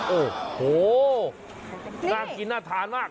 โอ้โหน่ากินน่าทานมาก